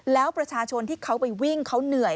แล้วประชาชนที่เขาไปวิ่งเขาเหนื่อย